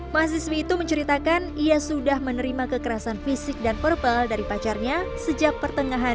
mahasiswi itu menceritakan ia sudah menerima kekerasan fisik dan purple dari pacarnya sejak pertengahan dua ribu dua puluh dua